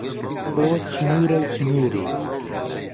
ئۆ چنوورە و چنووری